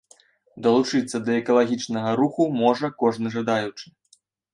Далучыцца да экалагічнага руху можа кожны жадаючы.